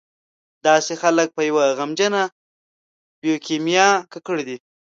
داسې خلک په یوه غمجنه بیوکیمیا ککړ دي.